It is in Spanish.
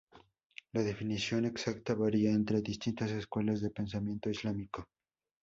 La definición exacta varia entre distintas escuelas de pensamiento islámico.